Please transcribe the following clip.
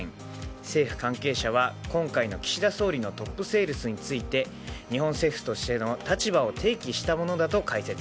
政府関係者は今回の岸田総理のトップセールスについて日本政府としての立場を提起したものだと解説。